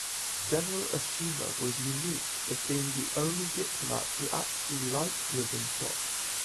General Oshima was unique as being the only diplomat who actually liked Ribbentrop.